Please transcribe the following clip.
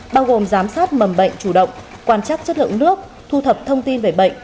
bao gồm giám sát mầm bệnh chủ động quan trắc chất lượng nước thu thập thông tin về bệnh